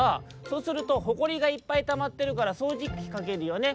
「そうするとほこりがいっぱいたまってるからそうじきかけるよね？